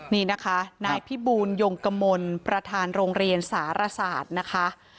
นี่นะคะนายพิบูลยงกมลประธานโรงเรียนสารศาสตร์นะคะ